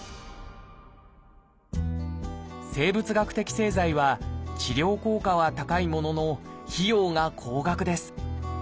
生物学的製剤は治療効果は高いものの費用が高額です。